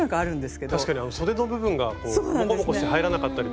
確かにそでの部分がモコモコして入らなかったりとか。